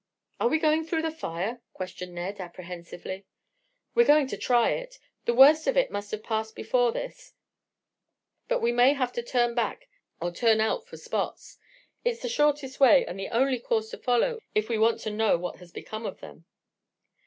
"Are we going through the fire?" questioned Ned apprehensively. "We're going to try it. The worst of it must have passed before this, but we may have to turn back or turn out for spots. It's the shortest way, and the only course to follow if we want to know what has become of them."